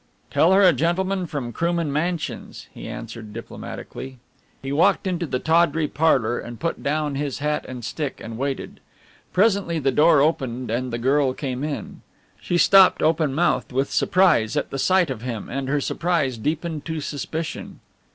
"Tell her a gentleman from Krooman Mansions," he answered diplomatically. He walked into the tawdry parlour and put down his hat and stick, and waited. Presently the door opened and the girl came in. She stopped open mouthed with surprise at the sight of him, and her surprise deepened to suspicion.